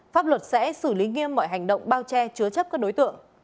pháp luật sẽ xử lý nghiêm mọi hành động bao che chứa chấp các đối tượng